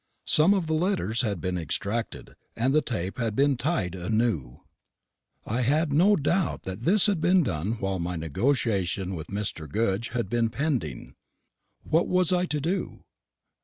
Some of the letters had been extracted, and the tape had been tied anew. I had no doubt that this had been done while my negotiation with Mr. Goodge had been pending. What was I to do?